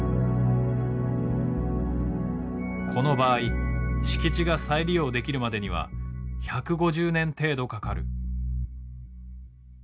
この場合敷地が再利用できるまでには１５０年程度かかる。